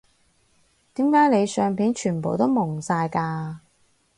點解你相片全部都矇晒㗎